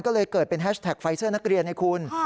ก็เลยเกิดเป็นแฮชแท็กไฟเซอร์นักเรียนไงคุณ